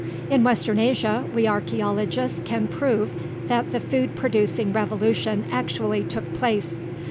In western Asia, we archeologists can prove that the food producing revolution actually took place.